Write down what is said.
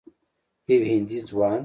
یو هندي ځوان